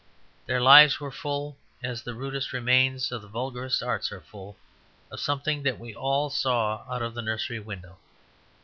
Their lives were full, as the rudest remains of their vulgarest arts are full, of something that we all saw out of the nursery window.